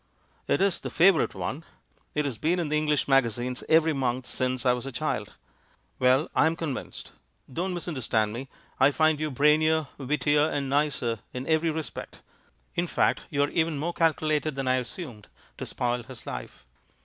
"It is the favourite one — it has been in the English magazines every month since I was a child. Well, I am convinced. Don't misunder 274j the man who understood WOMEN stand me. I find you brainier, wittier, and nicer in every respect; in fact, you are even more cal culated than I assumed to spoil his life."